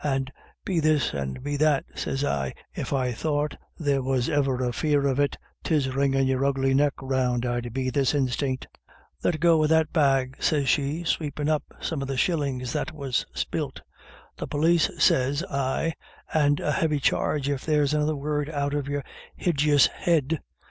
And ' Be this and be that/ sez I, ' if I thought there was e'er a fear of it/ tis wringin' your ugly neck round I'd be this instiant/ ' Let go of that bag/ sez she, sweepin' up some of the shillins that was spilt. ' The polis/ sez I, ' and a heavy charge, if there's another word out of your hidjis head.'